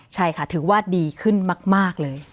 ใช่ค่ะถือว่าดีขึ้นมากเลย